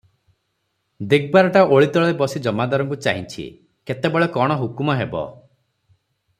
ଦିଗବାରଟା ଓଳିତଳେ ବସି ଜମାଦାରଙ୍କୁ ଚାହିଁଛି, କେତେବେଳେ କଣ ହୁକୁମ ହେବ ।